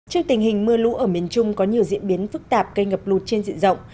trước tình hình mưa lũ ở miền trung có nhiều diễn biến phức tạp gây ngập lụt trên diện rộng